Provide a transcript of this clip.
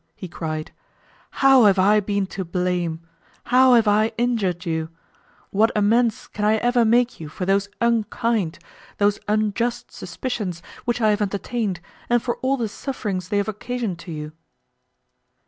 he cried, "how have I been to blame! how have I injured you! What amends can I ever make you for those unkind, those unjust suspicions which I have entertained, and for all the sufferings they have occasioned to you?"